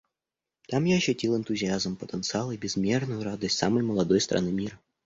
Там я ощутил энтузиазм, потенциал и безмерную радость самой молодой страны мира.